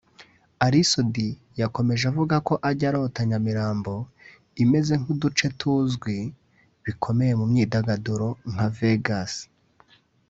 Ally Soudy yakomeje avuga ko ajya arota Nyamirambo imeze nk’uduce tuzwi bikomeye mu myidagaduro nka Vegas